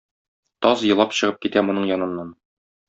Таз елап чыгып китә моның яныннан.